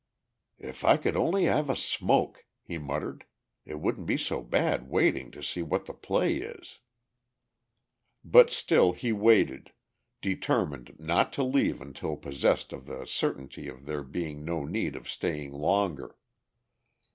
"If I could only have a smoke," he muttered, "it wouldn't be so bad waiting to see what the play is." But still he waited, determined not to leave until possessed of the certainty of there being no need of staying longer.